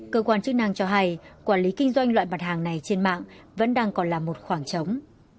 cơ quan chức năng cho hay quản lý kinh doanh loại mặt hàng này trên mạng vẫn đang còn là một khoảng trống